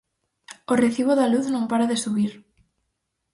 O recibo da luz non para de subir.